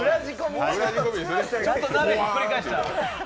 ちゃんと鍋ひっくり返した。